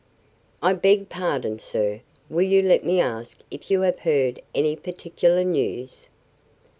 "I beg pardon, sir; will you let me ask if you have heard any particular news?"